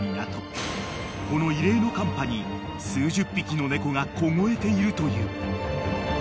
［この異例の寒波に数十匹の猫が凍えているという］